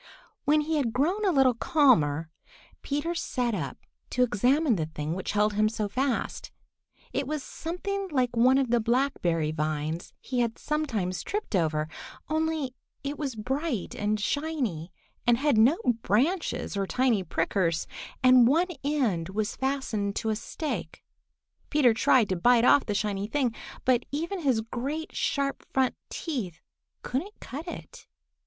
When he had grown a little calmer, Peter sat up to examine the thing which held him so fast. It was something like one of the blackberry vines he had sometimes tripped over, only it was bright and shiny, and had no branches or tiny prickers, and one end was fastened to a stake. Peter tried to bite off the shiny thing, but even his great, sharp front teeth couldn't cut it.